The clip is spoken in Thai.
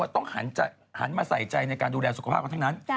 ต้องหันมาใส่ใจในการดูแลสุขภาพกันทั้งนั้น